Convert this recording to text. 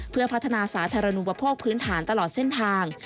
เพื่อพัฒนาสาธารณูปโภคพื้นฐานตลอดเส้นทาง